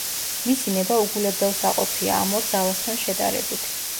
მისი ნება უგულებელსაყოფია ამ ორ ძალასთან შედარებით.